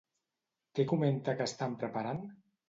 Què comenta que estan preparant?